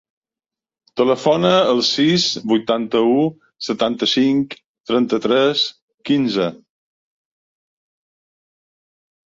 Telefona al sis, vuitanta-u, setanta-cinc, trenta-tres, quinze.